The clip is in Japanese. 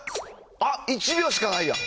あっ、１秒しかないやん。